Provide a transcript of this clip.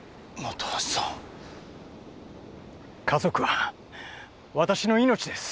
家族は私の命です。